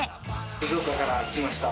静岡から来ました。